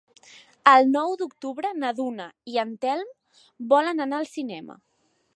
El nou d'octubre na Duna i en Telm volen anar al cinema.